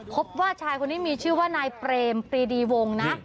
พบว่าชายคนนี้มีชื่อว่านายเปรมปรีดีวงนะ